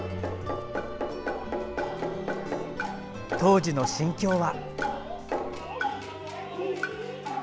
当時の心境は。